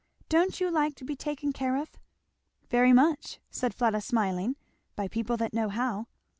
Don't you like to be taken care of?" "Very much," said Fleda smiling, "by people that know how."